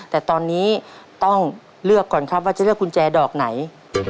แต่ตอนนี้ต้องเลือกก่อนครับว่าจะเลือกกุญแจดอกไหน